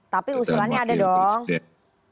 tapi usulannya ada dong